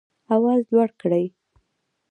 آواز لوړ کړئ